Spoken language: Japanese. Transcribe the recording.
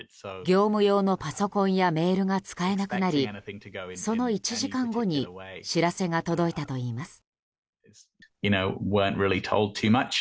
業務用のパソコンやメールが使えなくなりその１時間後に知らせが届いたといいます。